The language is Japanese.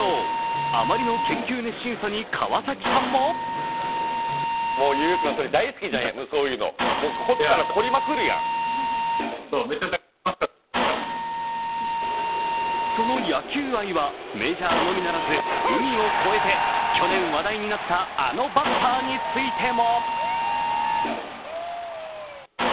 あまりの研究熱心さに川崎さんもその野球愛はメジャーのみならず海を越えて去年、話題になったあのバッターについても。